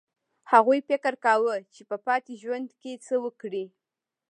هغوی فکر کاوه چې په پاتې ژوند کې څه وکړي